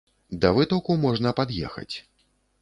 Да вытоку можна пад'ехаць.